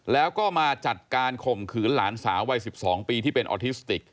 แล้วก็มาจัดการข่มขืนหลานสาววัย๑๒ปีที่เป็นออทิสติก